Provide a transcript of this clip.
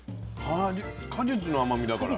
果実の甘みだから。